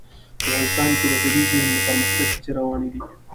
افغانستان کې د طبیعي زیرمې د پرمختګ هڅې روانې دي.